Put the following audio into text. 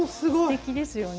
すてきですよね。